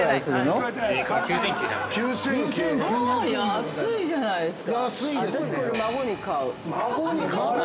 ◆ああ、安いじゃないですか。